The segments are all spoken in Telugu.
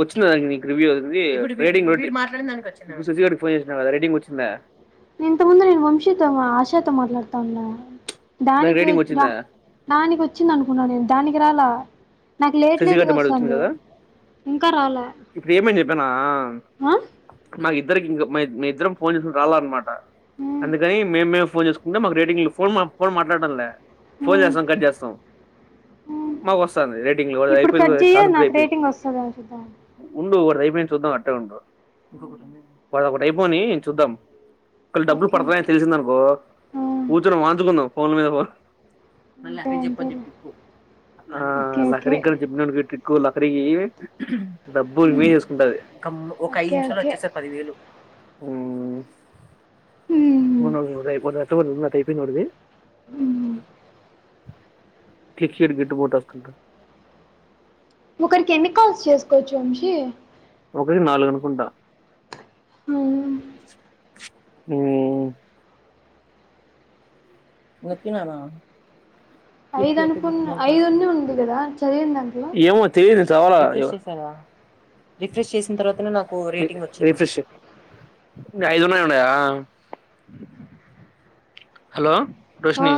వచ్చిందా దా రివ్యూ అందిుకి ఫోన్ చేసిన కదా రేడింగ్ వచ్చిందా. ఇంత ముందు నేను వంశీతో ఆశాతో మాట్లాడుతా ఉన్నా. దానికి రేటింగ్ వచ్చిందా దానికి వచ్చింది అనుకున్నా నేను దానికి రాలా నాకు లేట్ లేట్గా శశిగడ్టు మడుగుతుంది వస్తుంది కదా ఇంకా రాలే ఇప్పుడు ఏమైంద్ చెప్పానా ఆ? మాకు ఇద్దరికి ఇంకా మీ ఇద్దరం ఫోన్ చేసుకొని రాల అన్నమాట ఉమ్, అందుకని మేమేం ఫోన్ చేసుకుంటే మాకు రేటింగ్ లో ఫోన్ ఫోన్ మాట్లాడామ్లే ఫోన్ ఉమ్, చేస్తాం కట్ చేస్తాం ఉమ్. మాకు వస్తంది రెడ్ ఇప్పుడు కట్ చెయ్య నాకు రేటింగ్ వస్తాదా చూద్దాం ఇప్పుడు ఒక అయిపోయి చూద్దాం అంటా ఉండా ఇంకోకటి అయిపోని చూద్దాం ఒకలా డబ్బులు ఓకే పడుతాయని తెలిసిందనుకో ఆ, కూర్చొని వాంచుకుందాం ఫోన్ల మీద ఫో న్ అంతే అంతేలే ఆ ఓకే లే ఓకే సరింక చెప్పినానుటి కు లాకరికి డబ్బులు [unintelligible] చేసుకుంటాది ఒక ఐదు ఓకే నిమిషాల్లో ఓకే వచ్చేసాయి పదివేలు హ్మ్ ఉమ్, మన ఉదయిపోద [unintelligible] నాక్ అయిపేంది ఓటిది ఉహ్ కిట్ షీట్ గిట్టుబాట్ ఓస్తుందా ఒకరికి ఎన్ని కాల్స్ చేసుకోవచ్చు వంశీ ఒకటి నాలుగనుకుంటా అవునా హ్మ్ నొక్కిననా ఐదు అనుకున్న ఐదున్ని ఉంది కదా చదివిన్ దాంట్లో చాలా రిఫ్రెష్ చేయి ఐదు అని ఉన్నాయా హలో రోషిని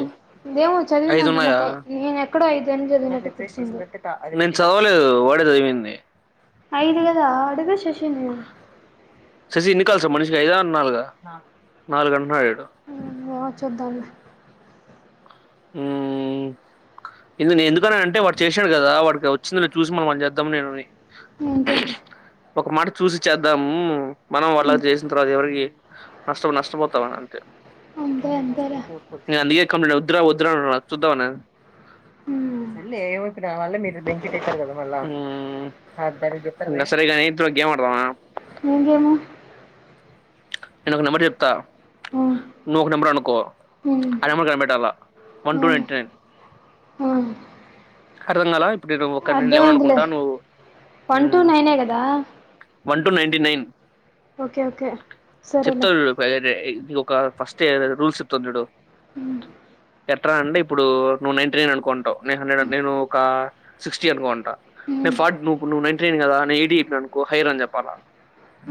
దేమో చదివిందట్ల ఐదున్నాయా నాక్ ఐ నే క్కడో ఐ దని చదివినట్టు గుర్తుంది నేను చదవలేదు వాడే చదివింది ఐదుగాదా అడుగు శే శిని ఎన్ని కాల్స్ మనిషికి ఐదా అర్ నాలుగా నాలుగంటున్నాడు ఇడు వ చూద్దాం లే హ్మ్ ఎందు ఎందుకని అంటే వాడు చేసిండు కదా వాడికి వచ్చింది చూసి మనం చేద్దాం నేనుండి [unintelligible] చూసి చేద్దాము మనం ఉమ్ వాళ్ళకి చేసిన తర్వాత ఎవరికి నష్టం నష్టపోతావ అంత అంతే అంతేలే నేను అందుకే వద్దురా వద్దురా అన్నాడు అది చూద్దామన్న ఉమ్ సరే ఏమవుతునా మళ్ళ మీరు బెనిఫిట్ అయితారు కదా మళ్ళా ఊ సరేగాని కూడా గేమ్ ఆడదామా ఏం గేమ్ నేను ఒక నంబర్ చెప్తా ఉమ్ నువ్ ఒక నంబర్ అనుకో ఉమ్ ఆ నెంబర్ కనిపెట్టు అలా one two um ninety nine ఉమ్ అర్థం కాలా ఇప్పుడు ఒకరి నేను లెవెన్ అర్థమైందిలే అనుకుంటా నువ్వు వన్ టు నైనే కదా one two ninety nine okay okay చెప్తా సరేలే చూడు [unintelligible] ఒక ఫస్ట్ రూల్స్ చెప్తా చూడు ఎట్రా అంటే ఇప్పుడు నువ్వు నైన్టీ న అనుకుంటావు నైన్ హండ్రెడ్ నేను ఒక సిక్స్టీ అనుకోంట నేను ఉమ్ ఫార్టీ నుప్పుడు ను నైన్టీ నైన్ కదా నేను ఎయి చెప్పనుకో హైయర్ అని చెప్పాల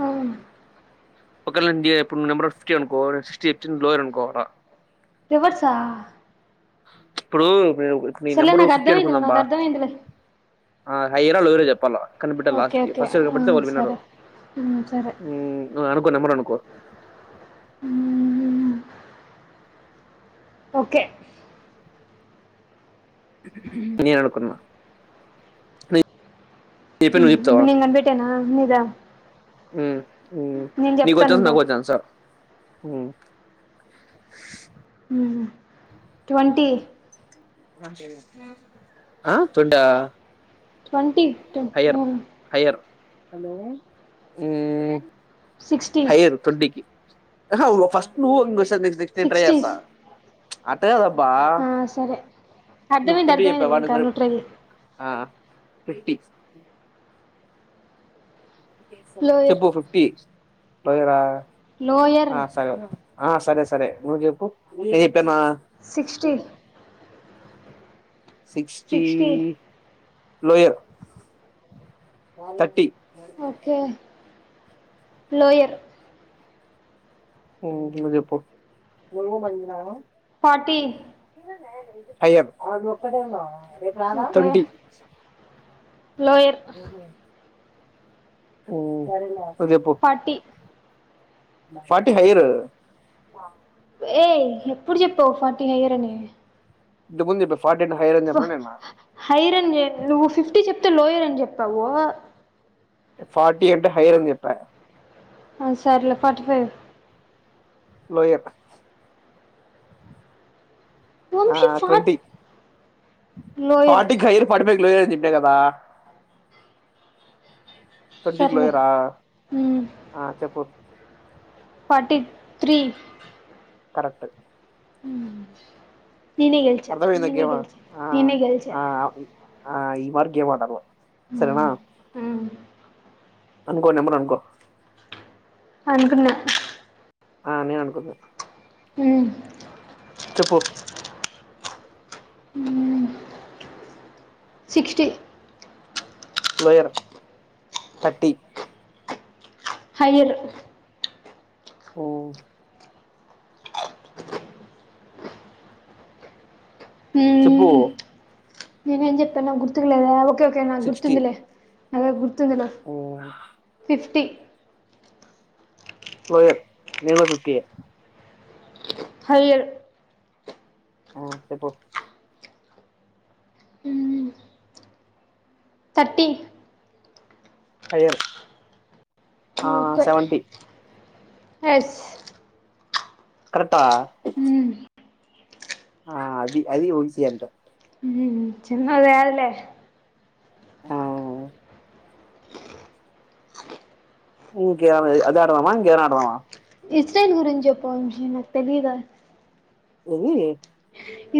ఆ ఒక నెబర్ ఫిఫ్టీ అనుకో న సిక్స్టీ చెప్పి లోయర్ అనుకోవాల రివర్స్ ఆ ఇప్పుడు నీ నెంబరు ఉఫ్ అర్థమైందా నాకు అర్థమైందిలే హైదరా లోయెరా చెప్పాల కనిపెట్ట ఓకే లాస్ట్ కి ఓకే ఫస్ట్ ఇయర్ ఆ కనిపడితే వాళ్ళు విన్నరు సరే ఉమ్ సరే అనుకో నెంబర్ అనుకోరు ఉ ఓకే నేను అనుకున్నా చెప్పి నువ్వు ఇప్పుడు నేను కనిపెట్టేనా నీదా ఊ నేను నీకో చాన్స్ చెప్తానుండు నాకో ఛాన్స్ హ ట్వంటీ ఆ తొండా ట్వంటట్ హలో సిక్స్టీ హయ్యర్ ట్వంటీ ఆ ఫస్ట్ నువ్ నెక్స్ట్ నెక్స్ట్ నేను ట్రై చేస్తా అట్ట కదా ఆ సరే అర్ధమైంది ట్వంటీ చెప్పావా అర్ధమైందింకా నువ్వు నువు ట్రై చెయ్ ఫిఫ్టీ లోయర్ చెప్పు ఫిఫ్టీ లోయరా నోయరు ఆ సరే సరే నువ్ చెప్పు చెప్పానా sixteen sixty lower thirty okay lower నువ్వు చెప్పు పార్టీ అయ్య అది ఒక్కడే రా ఓకే ట్వంటీ లోయర్ సరే నువ్వు చెప్పు ఫార్టీ ఫార్టీ హైరు ఏయ్ ఎప్పుడు చెప్పావు ఫార్టీన్ అయ్యరని ఇది ముందు ఫార్టీ అంటే హైయర్ అని చెప్పిన నేను హైరన్ నువ్వు ఫిఫ్టీ చె లోయర్ చెప్పవో ఫార్టీీ అంట హైర్ అంది చెప్ప సర్లే ఫార్టీ ఫైవ్ లోయర్ ఆ వంశీ ఫార్ట్ ట్వంట లోయర్ ఫటీ హైర్ పడిపో క లో అంతేకదా ట్వంటీ కి సర్లే లోయర్ ఆహ్ మ్మ్. ఆ చెప్పు ఫోర్తి త్రి కరెక్ట్ హ నిన్నేయ్ గెల్చా గెల్చా అర్థమైందా నిన్నేయ్ గేమ్ గెల్చా ఆ నిన్నేయ్ గెల్చా ఆ ఆ ఈ మరిగేవాల్వ ఆ అనుకో నెంబర్ అనుకో అనుకున్నా ఆ నేను అనుకున్న అమ్ చెప్పు సిక్స్టీ లోయర్ థర్టీ హయ్యర్ ఆ చెబ్బు మ్మ్. నేనేం చెప్తా గుర్తుకులేదు ఆగు ఓకే ఓకే నా సిక్స్టీ గుర్తుందలే అదే గుర్ తుందిలే ఫిఫ్టీ పోయత్ నీను కూడా ఫిఫ్టీ ఏ ఫైరు ఆ చెప్పు థర్టీ హయర్ ఆ ముప్పై సెవెంటీ ఎస్ కరతా ఆ అది అది ఉగిసియ అంట ఏదలే ఆ క అదేడుదమా ఇంకేమన్నా ఆడదామా ఇస్టైల్ గురించి చెప్పు వంశీ నాకు తెలిదా ఏవి ఏ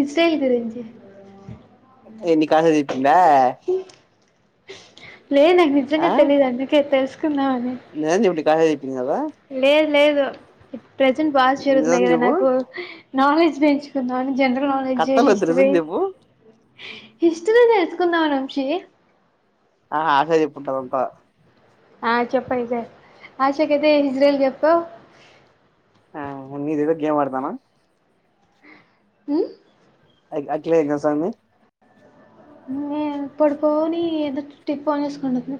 ఇది సేల్ గురించి ఎన్ని కాసదితుంద లేదు నాకు నిజంగా ఆ తెలీదు అందుకే తెలుసుకుందామని తాదా చెప్పింది కదా లేదు లేదు ప్రజెంట్ పస్ట్ చదువుతున్న నిజం కదా చెప్పు నాకు నాలెడ్జి పెంచుకుందామని జనరల్ నాలెడ్జ్ కథలు వద్దు నిజం హిస్టరీ చెప్పు హిస్టరీ నేర్చుకుందామని వంశీ ఆ ఆశది పంటప ఆ చెప్పు ఇతే ఆశాకతే హజ్రేల్ చెప్ప ఆ ఉన్ని ఇద గేమ్ ఆడతానా ఊ అ అగలేసంగ్ పడుకోని ఏదో టిప్పుని చేసుకుంట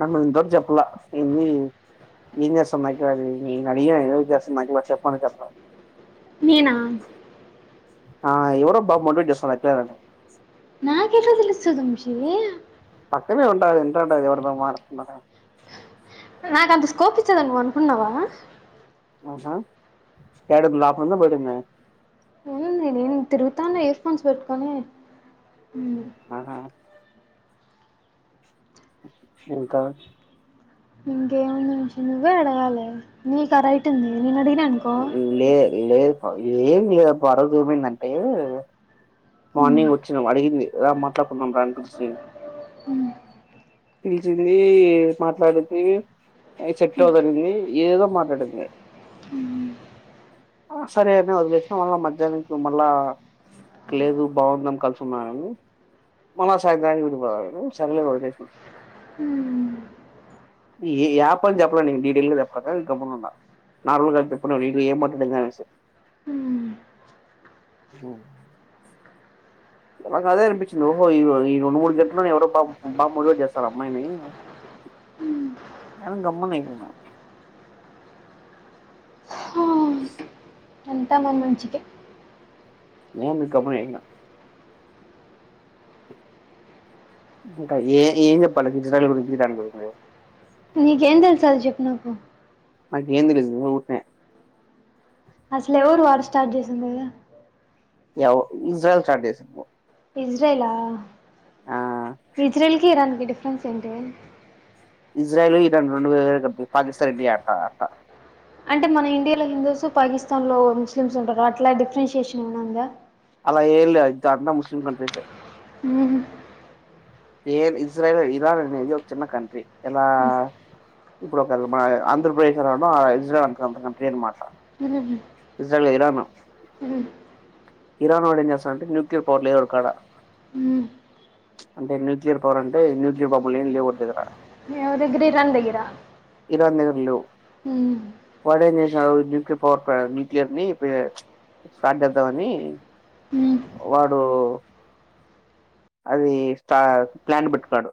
నన్న మ ఇంతటి చెప్పల ఇన్ని ఏం చేస్తాం నాకు నేను అడిగా ఏదో చేస్తాను నాకులా చెప్పను కప్పలా నీనా ఆ ఎవరో బమంటట్ చేస్త నాకెట్ల తెలుస్తది వంశీ అక్కనే ఉంట కదా ఇంటంట ఎవరితో మాట్లాడతానావ్ నాక అంత స్కోప్ ఇస్తదని నువ్వు అనుకున్నావా హ ఏడుపులు అపిండ్ల పోయింటేనే హుమ్ నేను తిరుగుతాన ఇయర్ ఫోన్స్ పెట్టుకొని ఆహా ఇంకా ఇంకేం లేదు నువ్వే అడగాలి నీకా రైట్ వుంది నేన్ ఆడిగినా అనుకో ఏమిగ పొర జూమిందంటే హ్మ్, మార్నింగ్ వచ్చినాం అడిగింది రా మాట్లాడుకుందాం రా అనేసి హ్మ్, ది మాట్లాడుద్ది అది సెట్ అవదండి ఎదేదో మాటడుది సరే అని వదిలేసిన మళ్ళ మధ్యానంకి మళ్ళా లేదు బాగుందం కలిసుందాం అని చెప్పింది మళ్ళా సాయంత్రానికి విడిపోదం అనింది సరలే వదిలేసిన హ్మ్, ఈ యాప్ అని చెప్పలే న డీటెయిల్ గా చెప్పక గమునున్న నార్మల్గా ఉన్నప్పుడు ఏమ్ మాట్లాడింది అనేసి హ్మ్. నాక్ అదే అనిపించిది ఓహో ఈ ఈ రెండు మూడు గంటలో ఎవరో మోటివేట్ చేస్తారు అమ్మాయిని అని గమ్మునయిపోయిన హా, అంతా మన మంచికే లే అని గమ్మునయిన ఇంకా ఏ ఏం చెప్పాల ఇజ్రాయిల్ గురించి ఇరాన్ గురించి నీకేం తెలుసది చెప్పు నాకు నాకేం తెలీదు ఉరుకనే అసలు ఎవరు వార్ స్టార్ట్ చేసిండేది ఎవ్ ఇజ్రాయెల్ స్టార్ట్ చేసింది ఇజ్రైలా ఆ ఇజ్రైల్కి ఇరన్ డిఫరెన్స్ ఏంటి ఇజ్రాయెల్ ఇరాన్ రోండు వేరే వేరే కంట్రీ పాకిస్తాన్ ఇండియా ఎట్ట అట్ట అంటే మన ఇండియాలో హిందూస్ పాకిస్తాన్ లో ముస్లిమ్స్ ఉంటారు కా అట్లా డిఫరెన్షిఏషన్ ఏమైనా ఉందా అలా ఏమ్ లేదూ అంతా ముస్లిం కంట్రీసే ఉ ఇజ్రాయల్ ఇరాన్ అనేది ఒక చిన్న కంట్రీ ఎలా హ్మ్, ఇప్పుడు మన ఒక ఆంధ్రప్రదేశ్ ఎలానో ఇజ్రాయిల్ అ కంట్రీ అనమాట hmm, Israel Iran hmm, Iran వాడు ఏం చేస్తారంటే న్యూక్లియర్ పవర్ లేదు వాడి కాడ హ్మ్. అంటే న్యూక్లియర్ పవర్ అంటే న్యూక్లి బల్బులు ఏమ్ లేవు వాల దగ్గర ఎవరి దగ్గర ఇరాన్ దగ్గరా ఇరాన్ దగ్గరా లేవ్ హుమ్ వాడేం చేసాడు న్యూక్లియర్ పవర్ ప్లాన్ న్యూక్లియర్ ని స్టార్ట్ చేద్దామని హ్మ్. వాడు అదీ ప్లాన్ పెట్టినాడు